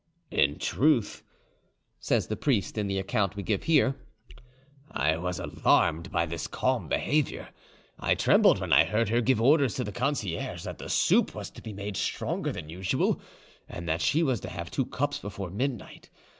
"In truth," says the priest in the account we give here, "I was alarmed by this calm behaviour. I trembled when I heard her give orders to the concierge that the soup was to be made stronger than usual and that she was to have two cups before midnight.